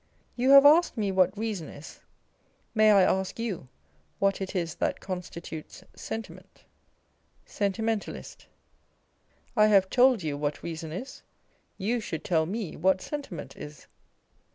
You have asked me what Reason is : may I ask you what it is that constitutes Sentiment ? Sentimentalist. I have told you what Eeason is : you should tell me what Sentiment is.